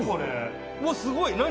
すごい何？